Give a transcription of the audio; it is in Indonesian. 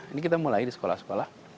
ini kita mulai di sekolah sekolah